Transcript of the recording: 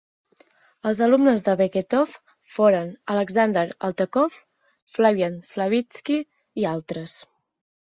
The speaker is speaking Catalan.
Els alumnes de Beketov foren Alexander Eltekov, Flavian Flavitsky i altres.